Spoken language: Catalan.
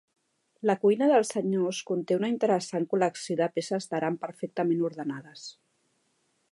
La cuina dels senyors conté una interessant col·lecció de peces d'aram perfectament ordenades.